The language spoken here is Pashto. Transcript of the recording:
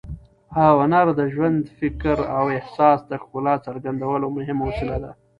هنر د ژوند، فکر او احساس د ښکلا څرګندولو مهم وسیله ده.